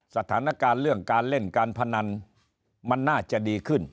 สถานการณ์เรื่องการเล่นการพนันมันน่าจะดีขึ้น